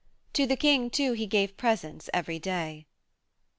To the King too he gave presents every day.